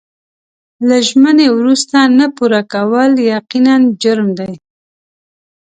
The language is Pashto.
له ژمنې وروسته نه پوره کول یقیناً جرم دی.